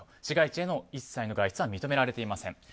市街地への一切の外出は認められていません。